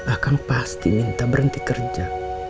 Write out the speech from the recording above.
akan pasti minta berhenti kerja